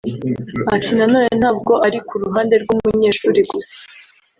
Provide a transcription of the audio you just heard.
Ati “nanone ntabwo ari kuruhande rw’umunyeshuri gusa